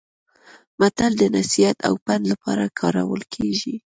متل د نصيحت او پند لپاره کارول کیږي